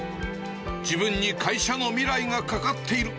自分に会社の未来がかかっている。